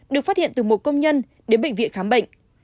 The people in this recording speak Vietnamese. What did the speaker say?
được phát hiện từ một công nhân đến bệnh viện khám bệnh